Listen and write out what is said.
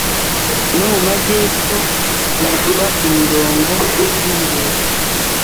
no mu majyepfo zitwa imirongo y'uburebure